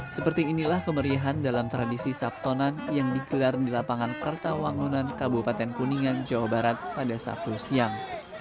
seperti inilah kemeriahan dalam tradisi sabtonan yang digelar di lapangan kertawangunan kabupaten kuningan jawa barat pada sabtu siang